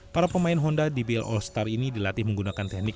para pemain honda dbl all star ini dilatih menggunakan teknik